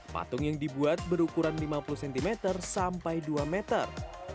patung yang dibuat berukuran lima puluh cm sampai dua meter